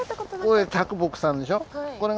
これ木さんでしょ？